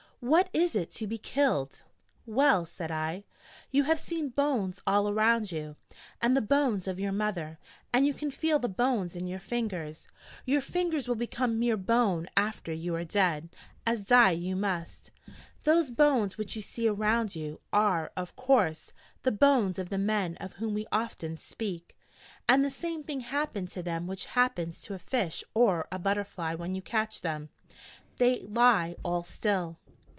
What is it to be killed?' 'Well,' said I, 'you have seen bones all around you, and the bones of your mother, and you can feel the bones in your fingers. Your fingers will become mere bone after you are dead, as die you must. Those bones which you see around you, are, of course, the bones of the men of whom we often speak: and the same thing happened to them which happens to a fish or a butterfly when you catch them, and they lie all still.'